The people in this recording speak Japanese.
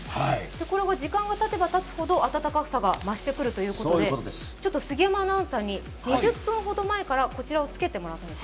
時間がたてばたつほど温かさが増してくるということで杉山アナウンサーに、２０分ほど前から着けてもらっています。